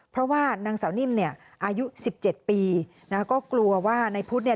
เพราะว่านางเสานิ่มเนี่ยอายุ๑๗ปีนะคะก็กลัวว่าในพุธเนี่ย